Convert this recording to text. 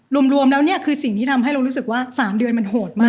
รวมแล้วเนี่ยคือสิ่งที่ทำให้เรารู้สึกว่า๓เดือนมันโหดมาก